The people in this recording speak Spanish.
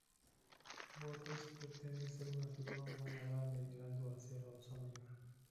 Bootes parece ser una figura humana grande, mirando hacia la Osa Mayor.